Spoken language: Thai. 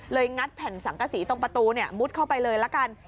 งัดแผ่นสังกษีตรงประตูมุดเข้าไปเลยละกัน